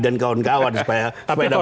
dan kawan kawan supaya dapat banyak bahan